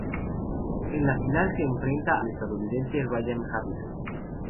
En la final se enfrenta al estadounidense Ryan Harrison.